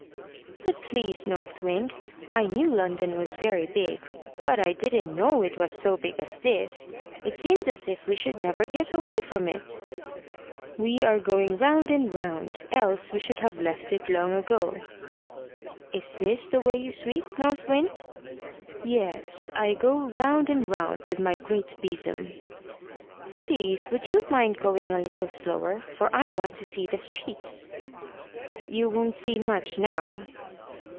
"But, please, North Wind, I knew London was very big, but I didn't know it was so big as this. It seems as if we should never get away from it." "We are going round and round, else we should have left it long ago." "Is this the way you sweep, North Wind?" "Yes; I go round and round with my great besom." "Please, would you mind going a little slower, for I want to see the streets?" "You won't see much now."